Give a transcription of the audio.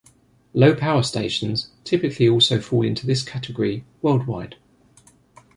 Low-power stations typically also fall into this category worldwide.